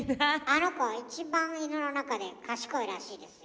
あの子は一番イヌの中で賢いらしいですよ。